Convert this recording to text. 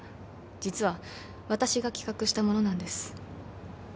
実は私が企画したものなんです。